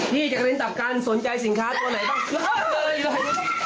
พี่จักรินตับกันสนใจสินค้าตัวไหนต้องซื้อ